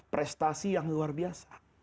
prestasi yang luar biasa